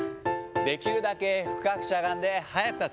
できるだけ深くしゃがんで速く立つ。